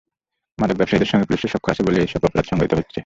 মাদক ব্যবসায়ীদের সঙ্গে পুলিশের সখ্য আছে বলে এসব অপরাধ সংঘটিত হচ্ছে।